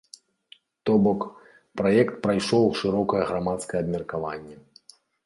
То бок, праект прайшоў шырокае грамадскае абмеркаванне.